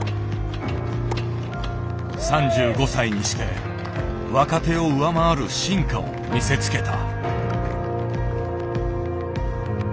３５歳にして若手を上回る進化を見せつけた。